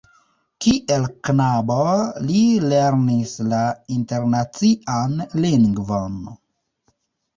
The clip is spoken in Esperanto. Kiel knabo li lernis la internacian lingvon.